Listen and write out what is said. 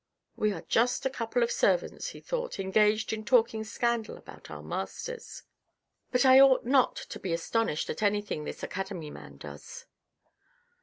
" We are just a couple of servants," he thought, " engaged in talking scandal about our masters. But I ought not to be astonished at anything this academy man does."